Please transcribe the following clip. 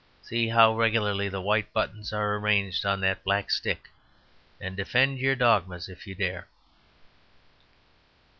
See how regularly the white buttons are arranged on that black stick, and defend your dogmas if you dare."